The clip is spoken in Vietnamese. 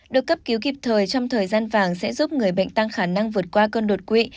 được cấp cứu kịp thời trong thời gian vàng sẽ giúp người bệnh tăng khả năng vượt qua cơn đột quỵ